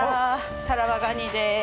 タラバガニです。